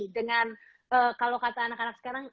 dengan kalau kata anak anak sekarang